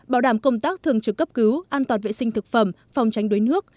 bảo đảm công tác thường trực cấp cứu an toàn vệ sinh thực phẩm phòng tránh đuối nước